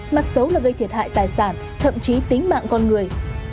mặt xấu là gây thiệt hại tài sản thậm chí tính mạng con người